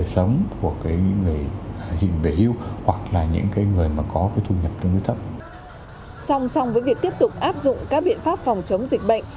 xong xong với việc tiếp tục áp dụng các biện pháp phòng chống dịch bệnh